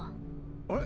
あれ？